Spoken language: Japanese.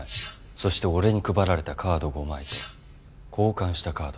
そして俺に配られたカード５枚と交換したカード３枚。